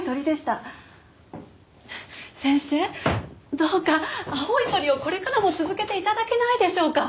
先生どうか青い鳥をこれからも続けて頂けないでしょうか！？